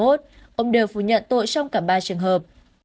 ông đều phủ nhận tội trong cả ba trường hợp